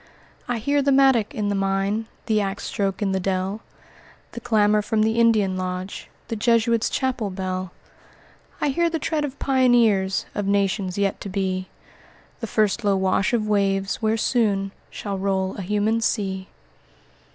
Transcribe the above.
"I hear the mattock in the mine, The ax stroke in the dell, The clamor from the Indian lodge, The Jesuits' chapel bell! "I hear the tread of pioneers Of nations yet to be; The first low wash of waves, where soon Shall roll a human sea."